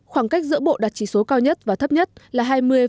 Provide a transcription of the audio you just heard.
khoảng cách giữa bộ đạt chỉ số cao nhất và thấp nhất là hai mươi bảy mươi bảy